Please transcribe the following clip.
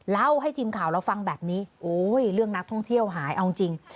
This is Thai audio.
เล่าให้ทีมข่าวเราฟังแบบนี้โอ้ยเรื่องนักท่องเที่ยวหายเอาจริง